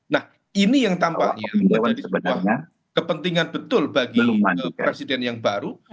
nah ini yang tampaknya menjadi sebuah kepentingan betul bagi presiden yang baru